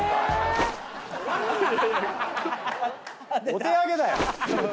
⁉お手上げだよ。